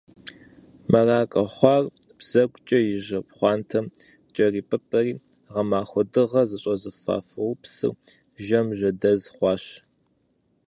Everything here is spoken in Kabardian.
Мэракӏуэ хъуар, бзэгукӏэ и жьэпхъуантэм кӏэрипӏытӏэри, гъэмахуэ дыгъэ зыщӏэзыфа фоупсыр, жьэм жьэдэз хъуащ.